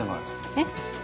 えっ？